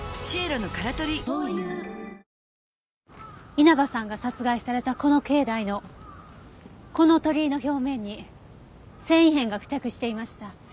稲葉さんが殺害されたこの境内のこの鳥居の表面に繊維片が付着していました。